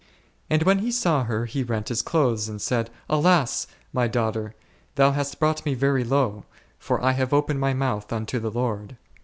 And when he saw her he rent his clothes and said, Alas ! my daughter, thou hast brought me very low, for I have opened my mouth unto the Lord.